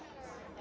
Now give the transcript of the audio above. あ。